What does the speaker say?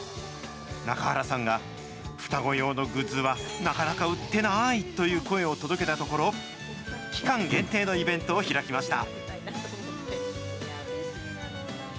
中原さんが双子用のグッズはなかなか売ってないという声を届けたところ、期間限定のイベントを開きました。